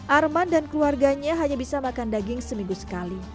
arman dan keluarganya hanya bisa makan daging seminggu sekali